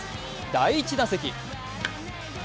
第１打席。